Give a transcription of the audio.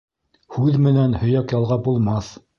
- Һүҙ менән һөйәк ялғап булмаҫ.